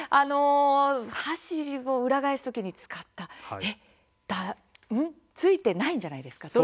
箸を裏返す時に使った場合いけないんじゃないですか。